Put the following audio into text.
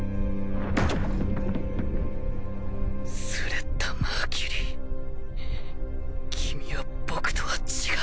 スレッタ・マーキュリー君は僕とは違う。